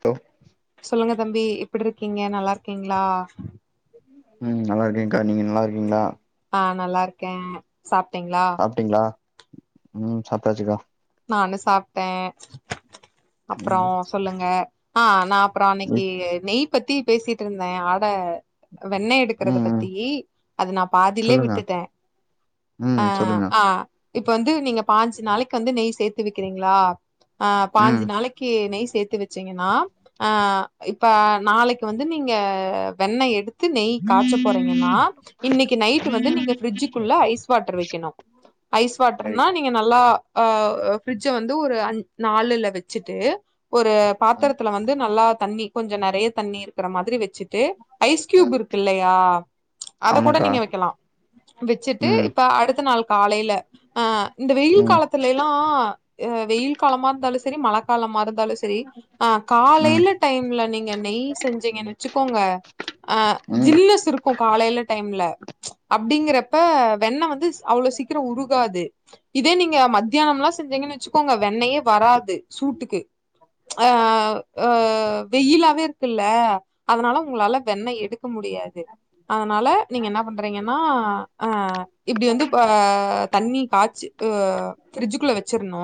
Bro சொல்லுங்க தம்பி எப்டி இருக்கீங்க நல்லாருக்கீங்ளா ம் நல்லா இருக்கேன்க்கா நீங்க நல்லாருக்கீங்ளா ஆ நல்லாருக்கே சாப்ட்டீங்ளா சாப்ட்டீங்ளா ம் சாப்ட்டாச்சுக்கா நானு சாப்ட்டே அப்பற ம் சொல்லுங்க ஆ நா அப்பற அன்னைக்கு வீட் நெய் பத்தி பேசிட்டு இருந்தே ஆட வெண்ணெ எடுக்கிறத ம் ம் பத்தி அத நான் பாதிலே சொல்லுங்க விட்டுட்ட அ ம் சொல்லுங்க ஆ இப்ப வந்து நீங்க பாஞ்சு நாளைக்கு வந்து நெய் சேத்து வைக்கிறீங்ளா அ ம் பாஞ்சு நாளைக் கீ நெய் சேத்து வச்சிங்கன்னா ஆ இப்ப நாளைக்கு வந்து நீங்க வெண்ணெ எடுத்து நெய் காய்ச்ச போறீங்கனா இன்னைக்கு நைட் வந்து நீங்க பிரிட்ஜுக்குள்ள ஐஸ் வாட்டர் வக்கணு ஐஸ் வாட்டர்னா நீங்க நல்லா அ ஃபிரிட்ஜ வந்து ஒரு அஞ் நாலுல வெச்சுட்டு ஒரு பாத்திரத்துல வந்து நல்லா தண்ணி கொஞ்சொ நறைய தண்ணி இருக்க மாதிரி வெச்சுட்டு ஐஸ் கீயூப் இருக்கு இல்லையா அத கூட ஆமாக்கா நீங்க வெக்கலாம் வெச்சுட்டு ம் இப்ப அடுத்த நாள் காலையில அ இந்த வெயில் ம் காலத்துல வெயில் காலமா இருந்தாலும் செரி மழை காலமா இருந்தாலும் செரி ஆ ம் காலையில டைம்ல நீங்க நெய் செஞ்சீங்க வெச்சுக்கோங்க அ ம் ஜில்னஸ் இருக்கும் காலையில டைம்ல அப்டிங்கறப்போ வெண்ண வந்து அவ்ளவு சீக்கிரம் உருகாது இதே நீங்க ம ல்லா செஞ்சங்கன்னு வெச்சுக்கோங்க வெண்ணயே வராது சூட்டுக்கு ஆ அ வெயிலாவே இருக்குல்ல அதனால உங்களால வெண்ணய் எடுக்க முடியாது அதனால நீங்க என்ன பண் றீங்கன்னா ஆ இப்டி வந்து தண்ணி காச்சு ஃபிரிட்ஜுக்குள்ள வெச்சிருணு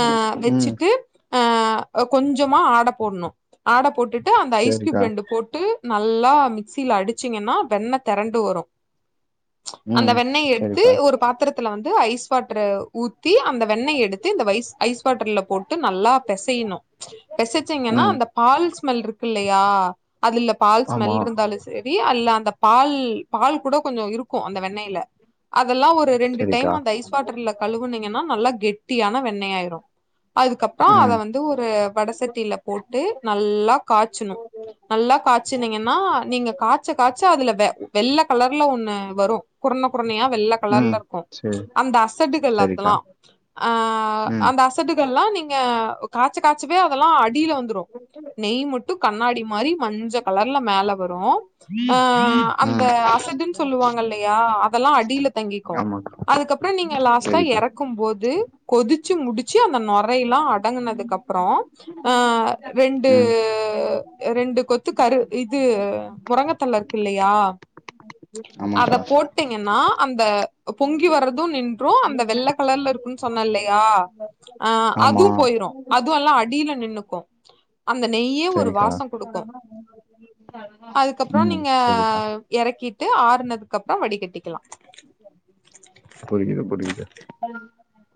அ ம் வெச்சுட்டு ஆ கொஞ்சமா ஆட போடணும் ஆட போட்டுட்டு அந்த ஐஸ் சேரிக்கா கீயூப் ரெண்டு போட்டு நல்லா மிக்சியில அடிச்சிங்கன்னா வெண்ணை திரண்டு வரும் அந்த ம் வெண்ணெய எடுத்து சேரிக்கா ஒரு பாத்தரத்துல வந்து ஐஸ் வாட்டரு ஊ த்தி அந்த வெண்ணய் எடுத்து இந்த வைஸ் ஐஸ் வாட்டர்ல போட்டு நல்லா பெசையணும் பெசச்சிங்கன்னா ம் அந்த பால் ஸ்மெல் இருக்கு இல்லையா அதுல பால் ஆமா ஸ்மெல் இருந்தாலும் செரி அல்ல அந்த பால் பால் கூட கொஞ்சொ இருக்கும் அந்த வெண்ணெய்ல அதெல்லா ஒரு ரெண்டு சேரிக்கா டைம் அந்த ஐஸ் வாட்டர்ல கழுவுனிங்கன்னா நல்லா கெட்டியான வென்ன ஆயிரும் அதுக்கப்ப அத ம் வந்து ஒரு வடசட்டியில போ ட்டு நல்லா காச்சணு நல்லா காச்சுனீங்கன்னா நீங்க காச்ச காச்ச அதுல வெ வெள்ள கலர்ல ஒண்ணு வரும் குறன்ன குறனையா வெல்ல ம் கலர்ல இருக்கும் சேரி அந்த அசடுகள் சேரிக்கா அதெல்லா ம் அந்த அச டுகள் எல்லா நீங்க காச்ச காசவே அதெல்லாம் அடியில வந்துரும் நெய் மட்டும் கண்ணாடி மாரி மஞ்ச கலர்ல மேல வரும் ம் இந்த அசட சொல்லுவாங்க இல்லையா அதெல்லா அடியில தங்கிக்கும் ஆமாக்கா அதுக்கப்புறம் நீங்க லாஸ்டா சேரிக்கா எற க்கும் போது கொதிச்சு முடிச்சு அந்த நொறைய எல்லா அடங்குனதுக்கு அப்புறம் ஆ ரெண்டு ம் ரெண்டு கொத்து கரு இது முரங்கத்தல்ல இருக்கு இல்லையா அத ஆமாக்கா போட்டீங்கன்னா அந்த பொங்கி வரதும் நின்றும் அந்த வெள்ள கலர்ல இருக்குன்னு சொன்னேன் இல்லையா ஆ ஆமா அதுவும் போயிரும் அது எல்லா அடியில நின்னுக்கும் அந்த நெய்யே ஒரு சேரிக்கா வாசம் கொடுக்கும் அதுக்கப்புறம் ம் நீங்க சேரிக்கா எறக்கிட்டு ஆறுனதுக்கு அப்றோ வடி கெட்டிக்கலாம் புரியது புரியுது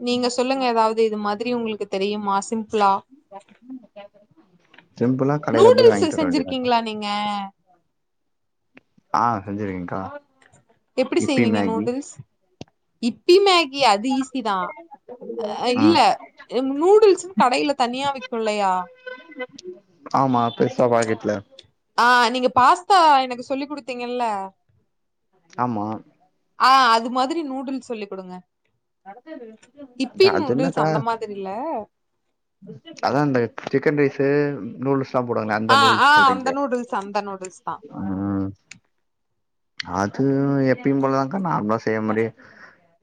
நீங்க சொல்லுங்க ஏதாவது இது மாதிரி உங்களுக்கு தெரியுமா சிம்பிளா சிம்பிளா கடையில போய் நூடுல்ஸ் வாங்கிட்டு வர வேண்டியதாக்கா செஞ்சிருக்கீங்களா நீங்க ஆ செஞ்சிருக்கேகா எப்டி செய்வீங்க நூடுல்ஸ் இப்பி மேகி அது ஈஸி தான் அ இல்ல ம் நூடுல்ஸு கடையில தனியா விக்குலையா ஆமா பெருசா பாக்ட்டுல ஆ நீங்க பாஸ்தா எனக்கு சொல்லி குடுத்தீங்கல்ல ஆமா ஆஹ் அது மாதிரி நூடுல் சொல்லிக் குடுங்க இப்பி த- அது நூடுல்ஸ் என்னக்கா அந்த மாதிரி இல்ல அதா இந்த சிக்கன் ரைஸ்ஸு நூடுல்ஸ் போடுவாங்களே அந்த ஆ ஆ நூடுல்ஸ் அந்த சொல்றீங்களே நூடுல்ஸ் அந்த நூடுல்ஸ் தா உம் அது எப்பயு போலதாக்கா நார்மலா செய்யற மாறியே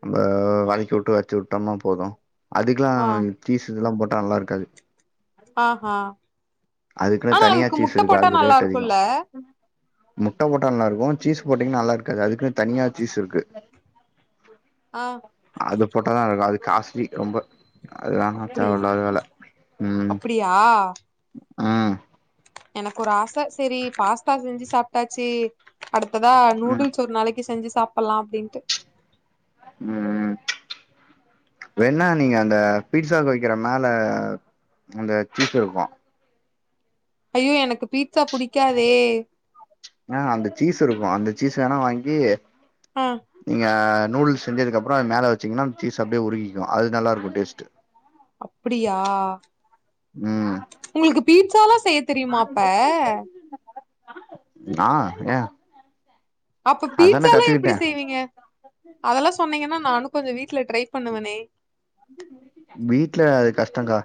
நம்ம வனக்கி வுட்டு வெச்சு விட்டோம்னா போதும் அதுக்கெல்லா ஆ சீசுல்லா போட்டா நல்லா இருக்காது ஆ ஹா அதுக்குன்னு தனியா சீஸ் இருக்கு அது நல்லா ரேட் அதிகோ இருக்குல்ல முட்ட போட்டா நல்லா இருக்கு சீஸ் போட்டீங்கன்னு நல்லா இருக்காது அதுக்குன்னு தனியா சீஸ் இருக்கு ஆ அது போட்டாதா அது காஸ்ட்லி ரொம்ப அது‌வேணா தேவல்லாத வேல உம் ஆ ம் எனக்கு ஒரு ஆச சரி பாஸ்தா செஞ்சு சாப்பிட்டாச்சு அடுத்ததா ம் நூடுல்ஸ் ஒரு நாளைக்கு செஞ்சி சாப்பல்லாம் அப்டின்ட்டு ம்ம் வேணா நீங்க அந்த பீட்சாக்கு வெக்கிற மேல அந்த சீஸ் இருக்கு ஐயோ எனக்கு பீட்சா புடிக்காதே ஆ அந்த சீஸ் இருக்கு அந்த சீஸ் வேணா வாங்கி ஆ நீங்க நூடுல்ஸ் செஞ்சதுக்கப்றோஅத் மேல வச்சீங்னா சீஸ் அப்டியே உருகிடு அதுநல்லா இருக்கு டேஸ்ட்டு அப்டியா ம் உங்ளுக்கு பீட்ஸால்லா செய்ய தெரியுமா அப்ப ஆ ஏ அப்ப அதான பீட்ஸாலா எப்டி கத்துக்கிட்டே செய்வீங்க அதல்லா சொன்னீங்கன்னா நானு கொஞ்சோ வீட்ல ட்ரை பண்ணுவனே வீட்ல அது கஷ்டங்கா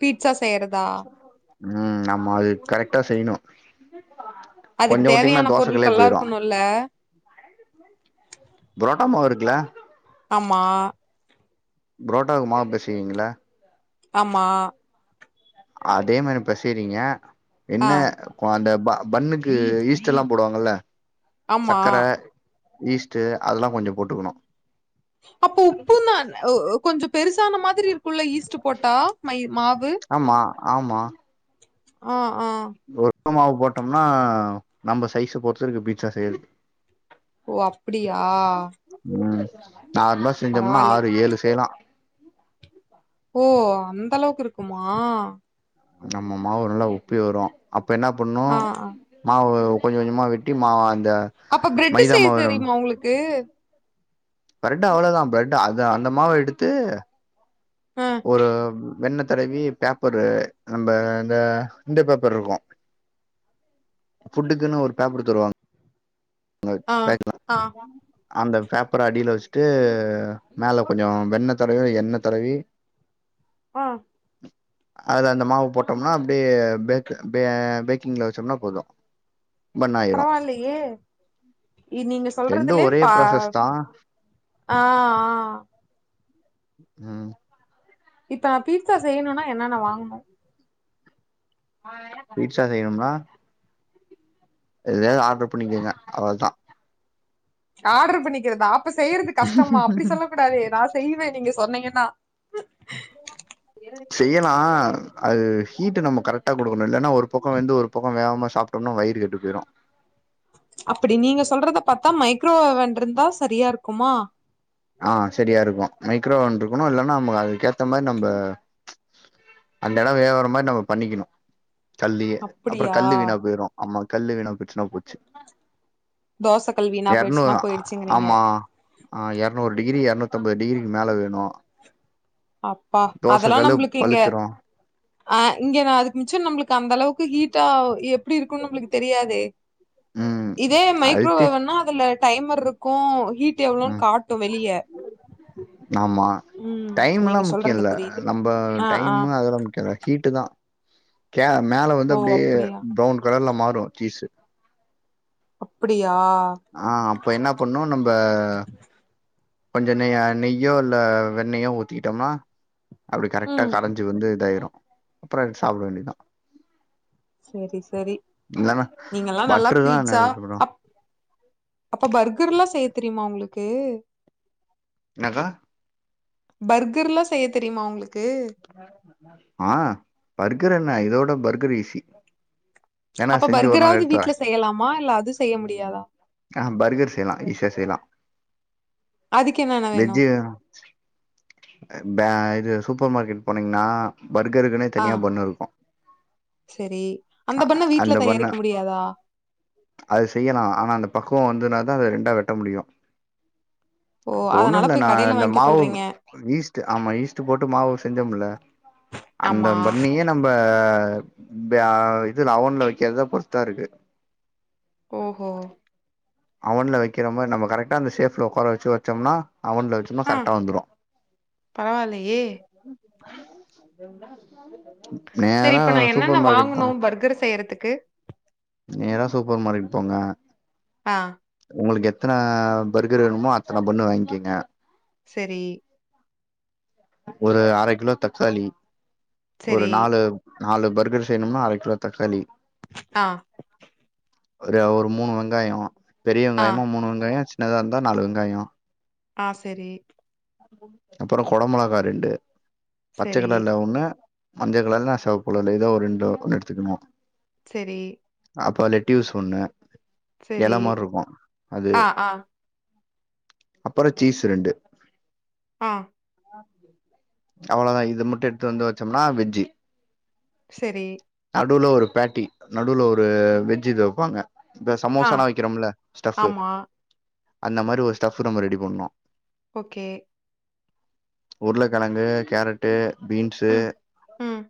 பீட்சா செய்யறதா ம் ஆமா அது கரெக்டா செய்யணு அதுக்கு கொஞ்சோ வுடிங்கன்னா தேவையான தோச கல்லே பொருட்கள்லா போயிடு இருக்கணுல்ல புரோட்டா மாவு இருக்குல்ல ஆமா புரோட்டாவுக்கு மாவு பெசிவீங்கல்ல ஆமா அதே மாறி பெசயறீங்க என்ன ஆ குவா அந்த பன்னுக்கு ஈஸ்ட் எல்லா போடுவாங்கல்ல ஆமா சக்கர ஈஸ்ட்டு அதல்லா கொஞ்சோ போட்டுக்கணு அப்போ உப்பா கொஞ்சோ பெருசான மாதிரி இருக்குல்ல ஈஸ்ட்டு போட்டா மை மாவு ஆமா ஆமா ஆ ஆ ஒரு ர மாவு போட்டோம்னா நம்ம சைஸ் பொறுத்து இருக்கு பீட்சா செய்யறது ஓ அப்புடியா ம் நார்மலா செஞ்சம்னா ஆறு ஏழு செய்லா ஓ அந்த அளவுக்கு இருக்குமா நம்ம மாவு நல்லா உப்பி வரும் அப்ப என்ன பண்ணும் ஆ ஆ மாவு கொஞ்சம் கொஞ்சமா வெட்டி மாவு அந்த அப்ப பிரெட் மைதா செய்ய மாவு தெரியுமா உங்களுக்கு பிரெட் அவ்ளோதான் பிரெட் அது அந்த மாவ எடுத்து ஆ ஒரு வெண்ண தடவி பேப்பரு நம்ம இந்த இந்த பேப்பர் இருக்கும் ஃபுட்டுக்குன்னு ஒரு பேப்பர் தருவாங் க ஆ பேக்ரிலாம் ஆ அந்த பேப்பர அடியில வச்சுட்டு மேல கொஞ்சம் வெண்ண தடவி எண்ண தடவி ஆ அதுல அந்த மாவு போட்டோம்னா அப்பிடியே பேக் பே பேக்கிங்ல வெச்சோனா போது. பன் ஆயிரு பரவாலயே இ நீங்க ரெண்டு சொல்றதுலே ஒரே பா ப்ராசஸ் தா ஆ ஆ ம் இப்ப நா பீட்சா செய்யணுனா என்னன்ன வாங்கனு. பீட்சா செய்யணுனா எதுல்யாது ஆர்டர் பண்ணிக்கங்க அவ்ளதா ஆர்டர் பண்ணிக்கிறதா அப்ப செய்றது கஷ்டமா. அப்பிடி சொல்ல கூடாது நா செய்வே நீங்க சொன்னீங்கன்னா. செய்யலா. அது ஹீட்டு நம்ம கரெக்டா குடுக்கணு. இல்லனா ஒரு பக்கொ வெந்து ஒரு பக்கோ வேகாம சாப் டோனா வயிறு கெட்டு போயிரு. அப்பிடி நீங்க சொல்றத பாத்தா மைக்ரோவேவன் இருந்தா செரியா இருக்குமா ஆ சரியா இருக்கு. மைக்ரோவேவன் இருக்கணு. இல்லன்னா நமக்கு அதுக்கு ஏத்த மாரி நம்ப அந்த எடொ வேவுற மாதிரி நம்ம பண்ணிக்கணு. கல்லியே. அப்பொறொ அப்டியா கல்லு வீணா போயிரு. ஆமா கல்லு வீணா போய்டுச்சுன்னா போச்சு. தோசக்கல் வீணா போயிடுச்சுன்னா எறநூறு போயிடுச்சுங்கிறீங்க ஆமா ஆ எறநூறு டிகிரி எறநூத்தம்பது டிகிரிக்கு மேல வேணும் அப்பா அதெல்லாம் நம்ம்பளுக்கு இங்க பழுத்துரு அ இங்க நான் அதுக்கு மிச்சம் நம்மளுக்கு அந்த அளவுக்கு ஹீட்டா எப்படி இருக்குனு நம்மளுக்கு தெரியாதே ம் இதே அழுத்தி மைக்ரோவேவ்ன்னா அதுல டைமர் இருக்கும் ஹீட் எவ்வளவுன்னு ம் காட்டும் வெளிய ஆமா ம் நீங்க டைம்ல்லாம் முக்கியொ சொல்றது இல்ல புரியுது நம்ப ஆ ஆ டைமு அதெல்லாம் முக்கியம் ஹீட்டு தான் கே மேல வந்து ஓ அப்படியே அப்டியா ப்ரௌன் கலர்ல மாறும் சீஸு அப்பிடியா ஆ அப்ப என்ன பண்ணு நம்ப கொஞ்ச நெய் அ நெய்யோ இல்ல வெண்ணெயோ ஊத்திகிட்டோம்னா அப்பிடி கரெக்டா ம் கரஞ்சு வந்து இதாயிரு. அப்பறோ எடுத்து சாப்ட வேண்டியதுதா செரி செரி நீங்கல்லா நல்லா பட்ரு தா என்ன பீ்ட்சா அப் அப்ப பர்கர் எல்லா செய்ய தெரியுமா உங்களுக்கு என்னகா பர்கர் எல்லா செய்ய தெரியுமா உங்களுக்கு ஆ பர்கர் என்ன இதவுட பர்கர் ஈசி. அப்ப பர்கராவது வரே வீட்ல செய்யலாமா. இல்ல அது செய்ய முடியாதா. ஆ பர்கர் செய்யலா. ஈசியா செய்யலா. அதுக்கு என்னென்ன வேணு வெஜ்ஜியா ப இது சூப்பர் மார்க்கெட் போனீங்கன்னா பர்கருக்குன்னே ஆ தனியா பண்ணு இருக்கும். சரி. அந்த பண்ண வீட்ல அந்த பண்ண தயாரிக்க முடியாதா? அது செய்யலா ஆனா அந்த பக்குவோ வந்துனதா அத ரெண்டா வெட்ட முடியு ஓ! இப்ப ஒண்ணு அதனால இல்ல போய் நா கடையில இந்த வாங்கிக்க மாவு சொல்றீங்க. ஈஸ்ட் ஆமா ஈஸ்ட் போட்டு மாவு செஞ்சோமுல்ல அந்த ஆமா. பண்ணேயே நா நம்ப பே இது‌ல அவன்ல வெக்கிறத பொறுத்துதா இருக்கு ஓ ஓ அவன்ல வெக்கெற மாரி நம்ம கரக்டா அந்த ஸேப்ல ஒக்கார வெச்சு வெச்சொம்னா அவன்ல வெச்சு இன்னு ஆ கரெக்டா வந்துரு. பரவாயில்லயே! சரி நேரா இப்ப நான் என்னென்ன சூப்பர் மார்க்கெட் போங்க வாங்கணும் பர்கர் செய்றதுக்கு நேரா சூப்பர் மார்க்கெட் போங்க ஆ உங்களுக்கு எத்தன பர்கர் வேணுமோ அத்தன பண்ணு வாங்கிகெங்க சேரி ஒரு அர கிலோ தக்காளி சரி. ஒரு நாலு நாலு பர்கர் செய்யணும்னா அர கிலோ தக்காளி ஆ ஒரு ஒரு மூணு வெங்காயோ பெரிய ஆ, வெங்காயம மூணு வெங்காயோ சின்னதா இருந்தா நாலு வெங்காயோ ஆ சேரி அப்றோ குட மிளகா ரெண்டு பச்சை சரி, கலர்ல்ல ஒண்ணு மஞ்ச கலர்ல சிவப்பு கலர்ல ஏதோ ஒரு ரெண்டு ஒன்னு எடுத்துக்கணு சேரி அப்போ லேட்யூஸ் ஒண்ணு இல சரி. மாரி இருக்கு அது ஆ, ஆ, அப்றோ சீஸ் ரெண்டு ஆ அவ்ளோதா இது மட்டு எடுத்து வந்து வச்சோம்னா வெஜ்ஜி சேரி நடுல ஒரு பேடி நடுல ஒரு வெஜ்ஜி இது வைப்பாங்க இப்ப ஆ, சமோசலா வைக்கிறோம்ல ஸ்டபு ஆமா. அந்த மாரி ஒரு ஸ்டபு நம்ப ரெடி பண்ணுனு ஓகே உர்ளகெழங்கு கேரட்டு பீன்ஸு ம், ம்.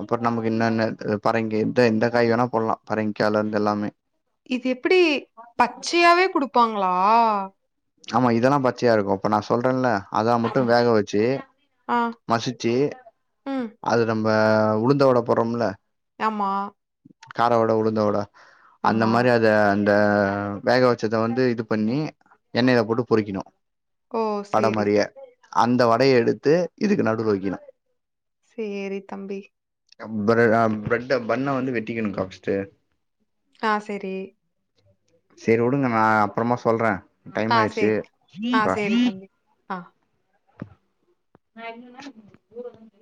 அப்றோ நமக்கு என்னென்ன பரங்கி எ எந்த காய் வேணா போட்லா. பரங்கிக்கால இருந்து எல்லாமே இது எப்டி பச்சையாவே குடுப்பாங்களா ஆமா இதெல்லா பச்சயா இருக்கு. இப்ப நா சொல்றல அதல மட்டு ஆமா. வேக வெச்சி ஆ, மசிச்சு ம். அது நம்ப உளுந்த வட போடுறோமுல ஆமா கார வட உளுந்த வட அந்த ஆமா. மாரி அ த அந்த வேக வச்சத வந்து இது பண்ணி எண்ணெய்யில போட்டு பொரிக்கணு ஓ! வட சரி, மாரியே அந்த வடய எடுத்து இதுக்கு நடுவுல வக்கினு சேரி தம்பி பிரட் பிரெட்ட பண்ண வந்து வெட்டிக்கணு கா ப்ஸ்ட்டு ஆ சேரி சேரி வுடுங்க நா அப்றோமா சொல்றே டைம் ஆ, ஆயிடுச்சு சேரி. ஆ, சேரி தம்பி. ஆ நா இருந்தன [unintelligible]